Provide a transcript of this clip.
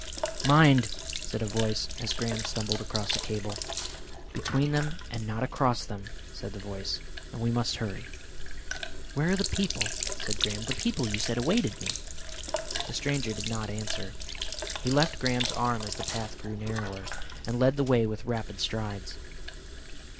"Mind!" said a voice, as Graham stumbled against a cable. "Between them and not across them," said the voice. And, "We must hurry." "Where are the people?" said Graham. "The people you said awaited me?" The stranger did not answer. He left Graham's arm as the path grew narrower, and led the way with rapid strides.